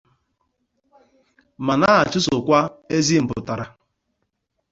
ma na-achụsòkwa ezi mpụtàrà.